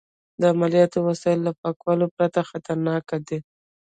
د عملیاتو وسایل له پاکوالي پرته خطرناک دي.